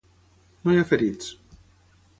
No hi ha ferits.